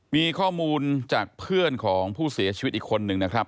มีข้อมูลจากเพื่อนของผู้เสียชีวิตอีกคนนึงนะครับ